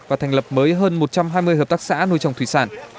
và thành lập mới hơn một trăm hai mươi hợp tác xã nuôi trồng thủy sản